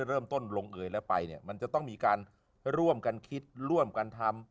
เริ่มต้นลงเอยแล้วไปเนี่ยมันจะต้องมีการร่วมกันคิดร่วมกันทำ